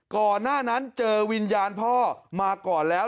ก่อนหน้านั้นเจอวิญญาณพ่อมาก่อนแล้ว